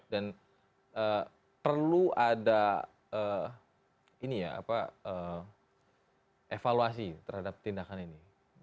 dan perlu ada evaluasi terhadap tindakan ini